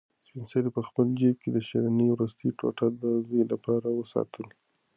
سپین سرې په خپل جېب کې د شیرني وروستۍ ټوټه د زوی لپاره وساتله.